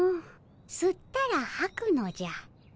すったらはくのじゃ。